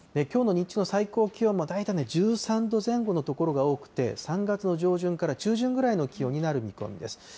きょうの日中の最高気温も大体１３度前後の所が多くて、３月の上旬から中旬ぐらいの気温になる見込みです。